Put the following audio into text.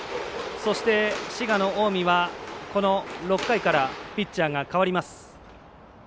そして、滋賀の近江はこの６回からピッチャーが代わります。